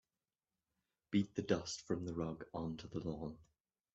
Beat the dust from the rug onto the lawn.